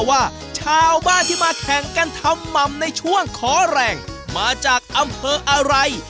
ว่าชาวบ้านที่มาแข่งกันทำหม่ำในช่วงขอแรงมาจากอำเภออะไร